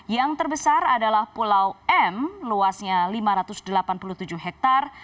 yang terbesar adalah pulau m luasnya lima ratus delapan puluh tujuh hektare